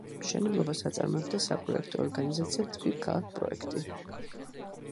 მშენებლობას აწარმოებდა საპროექტო ორგანიზაცია „თბილქალაქპროექტი“.